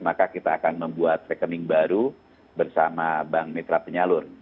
maka kita akan membuat rekening baru bersama bank mitra penyalur